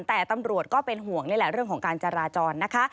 แต่ตำรวจก็เป็นห่วงนี่แหละเรื่องของการจราจรนะคะ